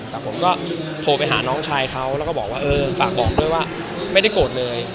แต่ผมก็โทรไปหาน้องชายเขาแล้วก็บอกว่าเออฝากบอกด้วยว่าไม่ได้โกรธเลย